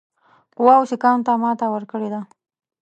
قواوو سیکهانو ته ماته ورکړې ده.